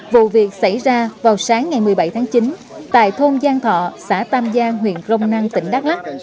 vụ việc xảy ra vào sáng ngày một mươi bảy tháng chín tại thôn giang thọ xã tam giang huyện crong năng tỉnh đắk lắc